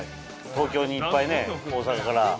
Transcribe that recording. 東京にいっぱいね大阪から。